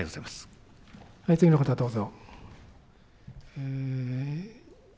次の方、どうぞ。